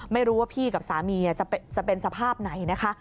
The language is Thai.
ไม่รู้ว่าพี่กับสามีจะเป็นสภาพไหนนะคะ